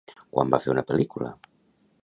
Quan va fer una pel·lícula?